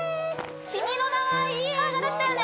「君の名は。」いい映画だったよね